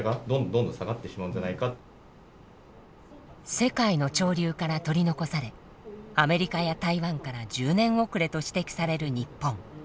世界の潮流から取り残されアメリカや台湾から１０年遅れと指摘される日本。